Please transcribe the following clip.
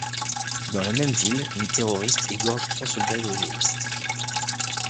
Dans la même ville, les terroristes égorgent trois soldats loyalistes.